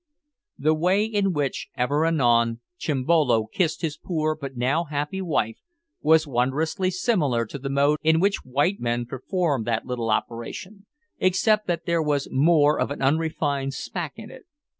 The way in which, ever and anon, Chimbolo kissed his poor but now happy wife, was wondrously similar to the mode in which white men perform that little operation, except that there was more of an unrefined smack in it.